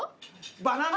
バナナ！